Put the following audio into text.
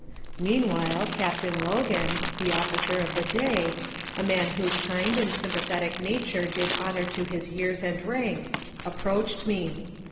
Meanwhile, Captain Logan (the officer of the day), a man whose kind and sympathetic nature did honor to his years and rank, approached me.